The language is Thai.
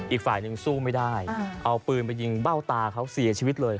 อีกฝ่ายหนึ่งสู้ไม่ได้เอาปืนไปยิงเบ้าตาเขาเสียชีวิตเลย